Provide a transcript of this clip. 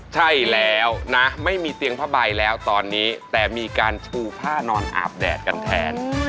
ใช่แล้วนะไม่มีเตียงผ้าใบแล้วตอนนี้แต่มีการชูผ้านอนอาบแดดกันแทน